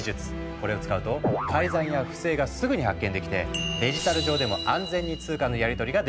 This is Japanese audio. これを使うと改ざんや不正がすぐに発見できてデジタル上でも安全に通貨のやりとりができるんだ。